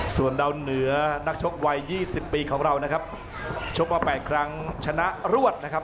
ส่วนดาวเหนือนักชกวัย๒๐ปีของเรานะครับชกมา๘ครั้งชนะรวดนะครับ